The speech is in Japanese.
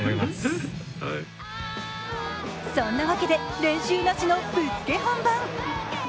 そんなわけで、練習なしのぶっつけ本番。